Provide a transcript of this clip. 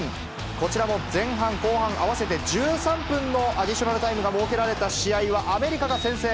こちらも前半、後半合わせて１３分のアディショナルタイムが設けられた試合は、アメリカが先制。